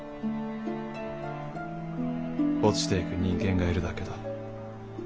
墜ちていく人間がいるだけだ。